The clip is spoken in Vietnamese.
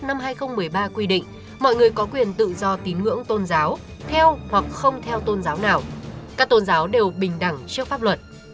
năm hai nghìn một mươi ba quy định mọi người có quyền tự do tín ngưỡng tôn giáo theo hoặc không theo tôn giáo nào các tôn giáo đều bình đẳng trước pháp luật